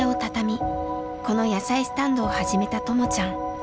この野菜スタンドを始めたともちゃん。